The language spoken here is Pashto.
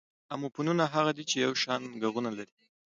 اموفونونه هغه دي، چي یو شان ږغونه لري.